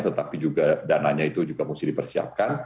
tetapi juga dananya itu juga mesti dipersiapkan